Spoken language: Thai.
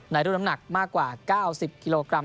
รุ่นน้ำหนักมากกว่า๙๐กิโลกรัม